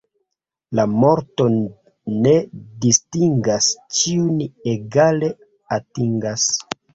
La morto ne distingas, ĉiujn egale atingas.